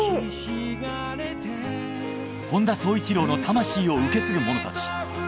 本田宗一郎の魂を受け継ぐ者たち。